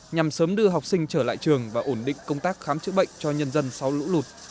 nhằm sớm đưa học sinh trở lại trường và ổn định công tác khám chữa bệnh cho nhân dân sau lũ lụt